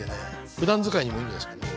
普段使いにもいいんじゃないですかね。